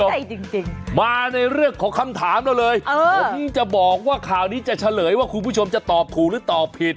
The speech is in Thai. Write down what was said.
ใช่จริงมาในเรื่องของคำถามเราเลยผมจะบอกว่าข่าวนี้จะเฉลยว่าคุณผู้ชมจะตอบถูกหรือตอบผิด